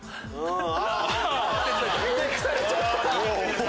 ふてくされちゃった。